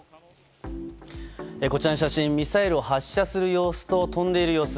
こちらの写真ミサイルを発射する様子と飛んでいる様子。